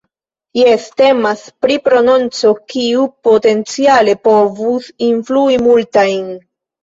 Jes, temas pri propono, kiu potenciale povus influi multajn.